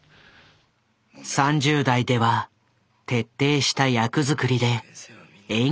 ３０代では徹底した役作りで演技派へと転身。